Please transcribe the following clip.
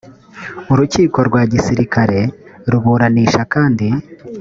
urukiko rwa gisirikare ruburanisha kandi